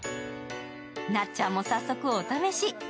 なっちゃんも早速お試し。